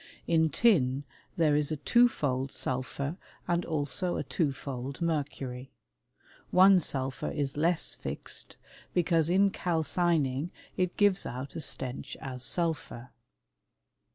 In tin there is a twofold sulphur and also a twofold mercury. One sulphur is less fixed, because in calcining it gives out a stench as sulphur.